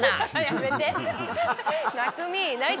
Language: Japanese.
やめて。